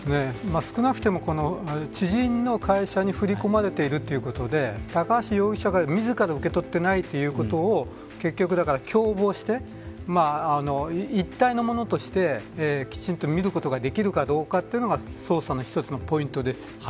少なくとも、知人の会社に振り込まれているということで高橋容疑者が自ら受け取っていないということを結局、共謀して一体のものとしてきちんと見ることができるかどうかということが捜査のポイントです。